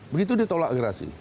begitu ditolak gerasi